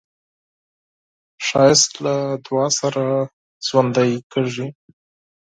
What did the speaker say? ښایست له دعا سره ژوندی کېږي